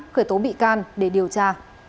khởi tố bị can để điều tra